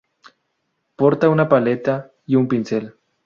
Porta una paleta y un pincel.